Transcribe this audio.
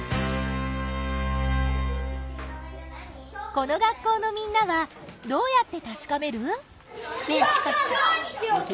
この学校のみんなはどうやってたしかめる？